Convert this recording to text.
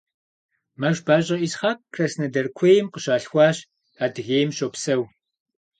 МэшбащӀэ Исхьэкъ Краснодар куейм къыщалъхуащ, Адыгейм щопсэу.